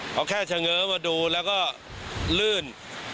เขาแค่เฉง้อมาดูแล้วก็ลื่น